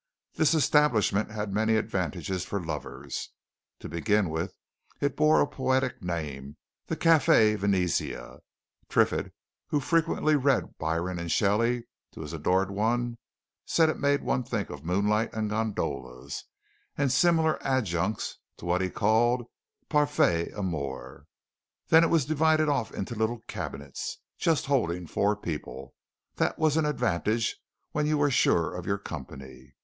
This establishment had many advantages for lovers. To begin with, it bore a poetical name the Café Venezia Triffitt, who frequently read Byron and Shelley to his adored one, said it made one think of moonlight and gondolas, and similar adjuncts to what he called parfaite amour. Then it was divided off into little cabinets, just holding four people that was an advantage when you were sure of your company.